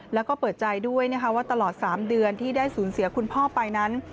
แล้วก็เปิดใจด้วยนะคะว่าตลอด๓เดือนที่ได้สูญเสียคุณพ่อไปนั้น